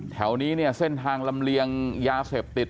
แถวนี้เนี่ยเส้นทางลำเลียงยาเสพติด